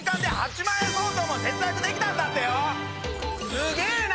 すげぇな！